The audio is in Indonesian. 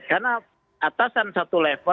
karena atasan satu level